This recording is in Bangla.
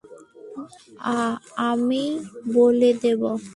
আ-আমি বলে দেবো।